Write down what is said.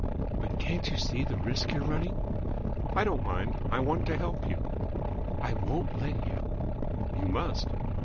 "But can't you see the risk you're running?" "I don't mind. I want to help you." "I won't let you." "You must."